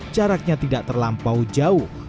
jaraknya tidak terlampau jauh